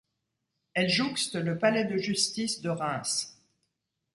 Elle jouxte le Palais de justice de Reims.